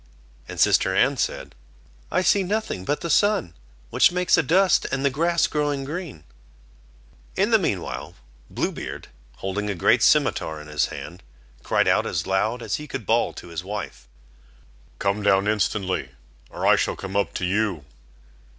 And sister Anne said: "I see nothing but the sun, which makes a dust, and the grass growing green." In the mean while Blue Beard, holding a great scimitar in his hand, cried out as loud as he could bawl to his wife: "Come down instantly, or I shall come up to you."